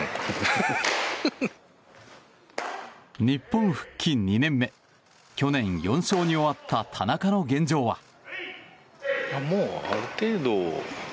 日本復帰２年目去年、４勝に終わった田中の現状は。